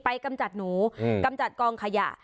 กำจัดหนูกำจัดกองขยะ